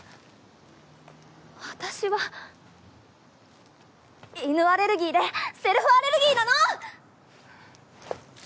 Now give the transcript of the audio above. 私は犬アレルギーでせるふアレルギーなの！